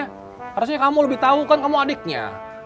harusnya kamu lebih tahu kan kamu adiknya